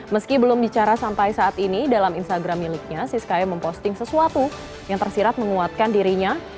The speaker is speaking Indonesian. meski belum bicara sampai saat ini dalam instagram miliknya siskaya memposting sesuatu yang tersirat menguatkan dirinya